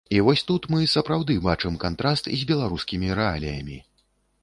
І вось тут мы сапраўды бачым кантраст з беларускімі рэаліямі.